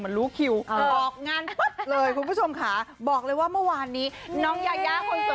รู้คิวออกงานปั๊บเลยคุณผู้ชมค่ะบอกเลยว่าเมื่อวานนี้น้องยายาคนสวย